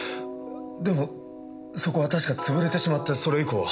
でもそこは確か潰れてしまってそれ以降は。